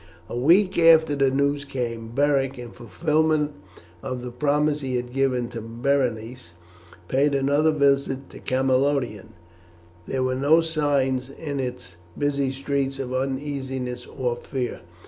A week after the news came, Beric, in fulfilment of the promise he had given to Berenice, paid another visit to Camalodunum. There were no signs in its busy streets of uneasiness or fear.